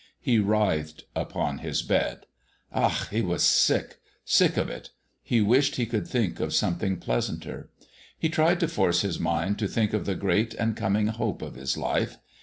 He writhed upon his bed. Ach! he was sick, sick of it. He wished he could think of something pleasanter. He tried to force his mind to think of the great and coming hope of his life.